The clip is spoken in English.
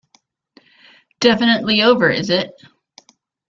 Definitely over, is it?